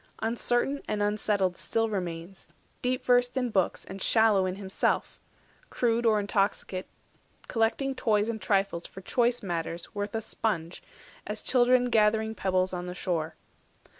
Uncertain and unsettled still remains, Deep versed in books and shallow in himself, Crude or intoxicate, collecting toys And trifles for choice matters, worth a sponge, As children gathering pebbles on the shore.